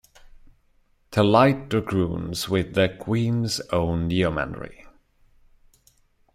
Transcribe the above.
The Light Dragoons with the Queen's Own Yeomanry.